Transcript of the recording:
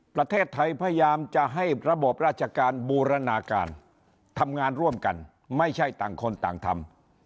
ประเทศไทยพยายามจะให้ระบบราชการบูรณาการทำงานร่วมกันไม่ใช่ต่างคนต่างทำ